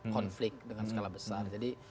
konflik dengan skala besar jadi